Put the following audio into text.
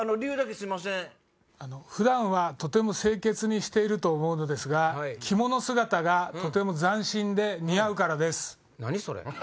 普段はとても清潔にしていると思うのですが着物姿がとても斬新で似合うからです。